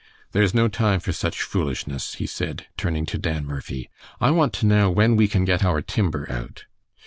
"There is no time for such foolishness," he said, turning to Dan Murphy. "I want to know when we can get our timber out."